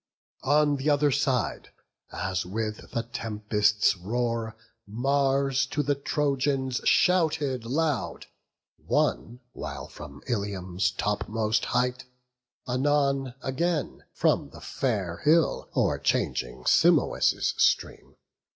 On th' other side, as with the tempest's roar, Mars to the Trojans shouted loud; one while From Ilium's topmost height; anon again From the fair hill, o'erhanging Simois' stream.